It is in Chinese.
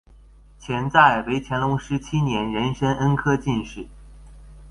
钱载为乾隆十七年壬申恩科进士。